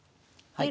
はい。